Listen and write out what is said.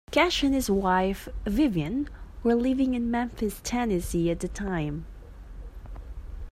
Cash and his wife, Vivian, were living in Memphis, Tennessee, at the time.